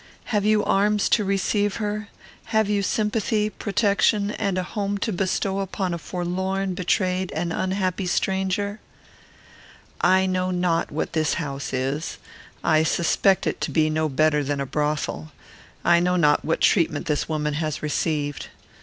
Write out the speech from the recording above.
Have you arms to receive her? Have you sympathy, protection, and a home to bestow upon a forlorn, betrayed, and unhappy stranger? I know not what this house is; I suspect it to be no better than a brothel. I know not what treatment this woman has received.